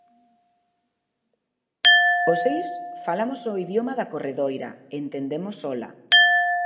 Os seis, falamos o idioma da corredoira, entendemos ola.